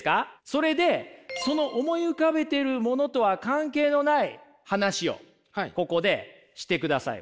それでその思い浮かべてるものとは関係のない話をここでしてください。